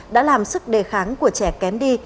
đã làm sức đề kháng của trẻ kém đi